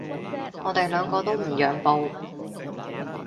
我哋兩個都唔讓步